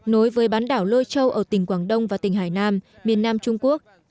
nối với bán đảo lôi châu ở tỉnh quảng đông và tỉnh hải nam miền nam trung quốc